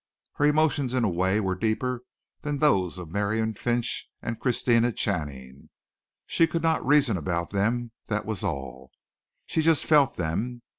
Her emotions in a way were deeper than those of Miriam Finch and Christina Channing. She could not reason about them that was all. She just felt them.